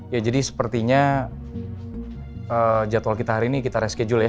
ya jadi sepertinya jadwal kita hari ini kita reschedule ya